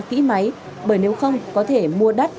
kỹ máy bởi nếu không có thể mua đắt